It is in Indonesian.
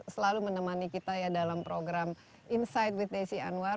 selalu menemani kita ya dalam program insight with desi anwar